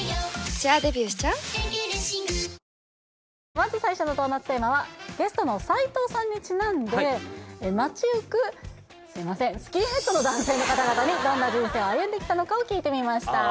まず最初のドーナツテーマはゲストの斎藤さんにちなんで街ゆくすいませんスキンヘッドの男性の方々にどんな人生を歩んできたのかを聞いてみましたあ